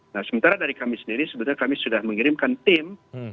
nah sementara dari kami sendiri sebenarnya kami sudah mengirimkan tim